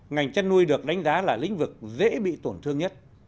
ngành chăn nuôi được đánh giá là lĩnh vực dễ bị tổn thương nhất